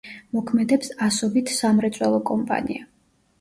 მოქმედებს ასობით სამრეწველო კომპანია.